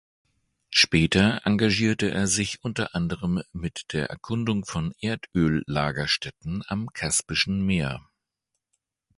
Später engagierte er sich unter anderem mit der Erkundung von Erdöllagerstätten am Kaspischen Meer.